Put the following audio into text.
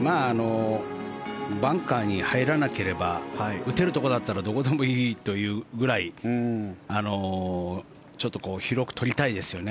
バンカーに入らなければ打てるところだったらどこでもいいというぐらいちょっと広く取りたいですよね。